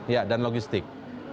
ya dan logistik